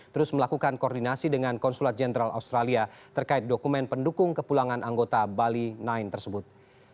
terus melakukan koordinasi dengan konsulat jenderal australia terkait dokumen pendukung kepulangan anggota bali sembilan tersebut